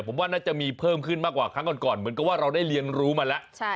ผมว่าน่าจะมีเพิ่มขึ้นมากกว่าครั้งก่อนเหมือนกับว่าเราได้เรียนรู้มาแล้ว